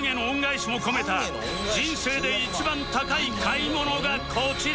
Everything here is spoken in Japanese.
私の人生で一番高い買い物それはこちら。